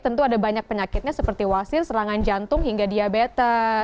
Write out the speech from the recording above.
tentu ada banyak penyakitnya seperti wasir serangan jantung hingga diabetes